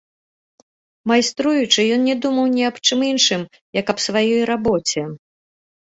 Майструючы, ён не думаў ні аб чым іншым, як аб сваёй рабоце.